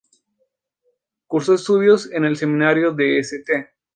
Cursó estudios en el Seminario de St.